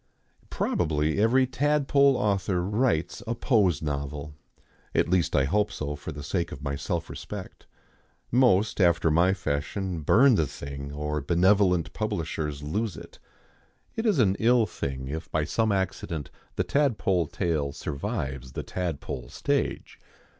Probably every tadpole author writes a pose novel at least I hope so for the sake of my self respect. Most, after my fashion, burn the thing, or benevolent publishers lose it. It is an ill thing if by some accident the tadpole tale survives the tadpole stage.